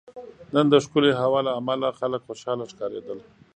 نن دښکلی هوا له عمله خلک خوشحاله ښکاریدل